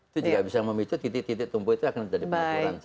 itu juga bisa memicu titik titik tumpu itu akan jadi pengapuran